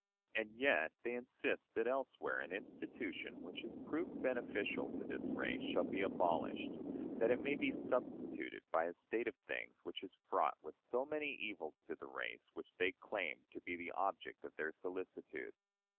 And yet they insist that elsewhere an institution which has proved beneficial to this race shall be abolished, that it may be substituted by a state of things which is fraught with so many evils to the race which they claim to be the object of their solicitude!